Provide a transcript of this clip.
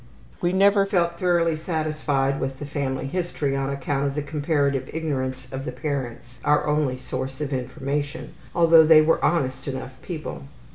We never felt thoroughly satisfied with the family history on account of the comparative ignorance of the parents, our only source of information, although they were honest enough people.